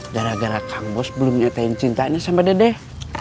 gara gara kang bos belum nyatain cintanya sama dedek